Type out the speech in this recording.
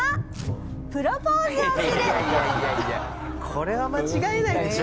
これは間違えないでしょう。